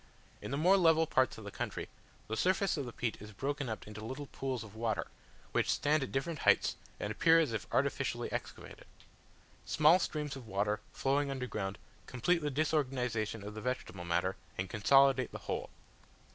In the more level parts of the country, the surface of the peat is broken up into little pools of water, which stand at different heights, and appear as if artificially excavated. Small streams of water, flowing underground, complete the disorganization of the vegetable matter, and consolidate the whole.